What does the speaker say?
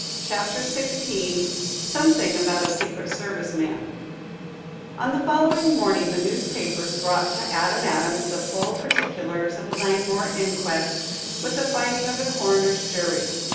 CHAPTER XVI SOMETHING ABOUT A SECRET SERVICE MAN On the following morning the newspapers brought to Adam Adams the full particulars of the Langmore inquest, with the finding of the coroner's jury.